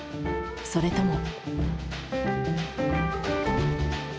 それとも。